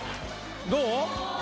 どう？